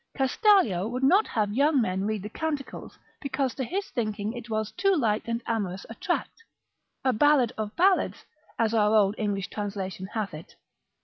Castalio would not have young men read the Canticles, because to his thinking it was too light and amorous a tract, a ballad of ballads, as our old English translation hath it.